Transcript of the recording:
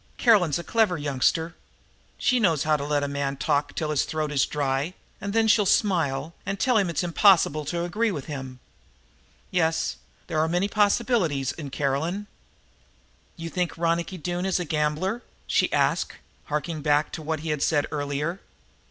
Caroline's a clever youngster. She knows how to let a man talk till his throat is dry, and then she'll smile and tell him that it's impossible to agree with him. Yes, there are many possibilities in Caroline." "You think Ronicky Doone is a gambler?" she asked, harking back to what he had said earlier.